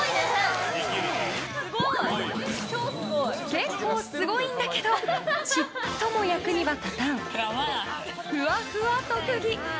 結構すごいんだけどちっとも役には立たんふわふわ特技。